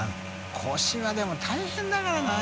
腰はでも大変だからね。